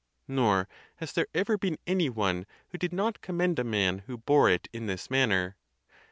Nor has there ever been any one who did not commend a man who bore it in this manner.